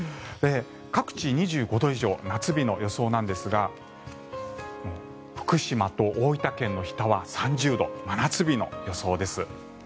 各地、２５度以上夏日の予想なんですが福島と大分県の日田は３０度真夏日の予想です。